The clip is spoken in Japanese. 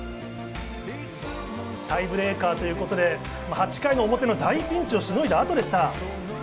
タイブレーカーということで８回の表の大ピンチをしのいだ後でした。